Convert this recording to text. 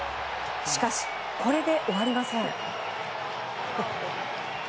しかし、これで終わりません。